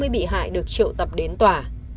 sáu sáu trăm ba mươi bị hại được triệu tập đến tòa